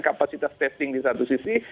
kapasitas testing di satu sisi